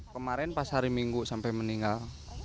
kemarin pas hari minggu sampai meninggal